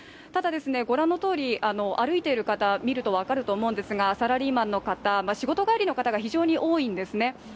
ご覧のとおり、歩いている方を見ると分かると思うんですがサラリーマンの方、仕事帰りの方が非常に多いんですね。